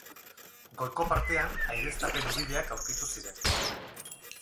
Goiko partean aireztapen ubideak aurkitu ziren.